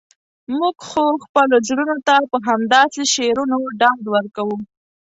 موږ خو خپلو زړونو ته په همداسې شعرونو ډاډ ورکوو.